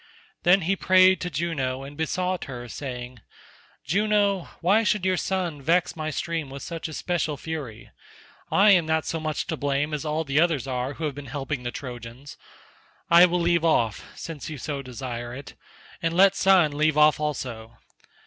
Then he prayed to Juno and besought her saying, "Juno, why should your son vex my stream with such especial fury? I am not so much to blame as all the others are who have been helping the Trojans. I will leave off, since you so desire it, and let your son leave off also.